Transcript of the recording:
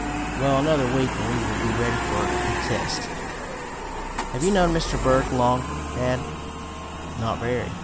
Well, another week and we will be ready for the test." "Have you known Mr. Berg long, dad?" "Not very.